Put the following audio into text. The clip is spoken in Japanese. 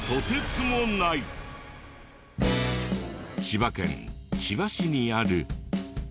千葉県千葉市にある。